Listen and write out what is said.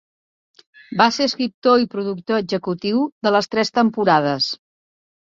Va ser escriptor i productor executiu de les tres temporades.